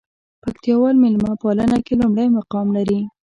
پکتياوال ميلمه پالنه کې لومړى مقام لري.